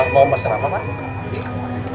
mau masin apa pak